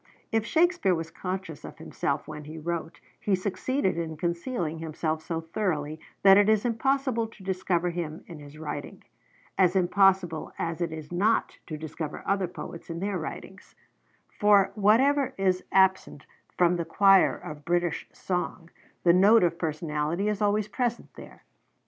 If Shakespeare was conscious of himself when he wrote, he succeeded in concealing himself so thoroughly that it is impossible to discover him in his writing, as impossible as it is not to discover other poets in their writings; for whatever is absent from the choir of British song, the note of personality is always present there.